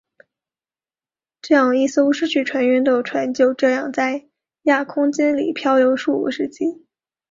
这样一艘失去船员的船就这样在亚空间里飘流数个世纪。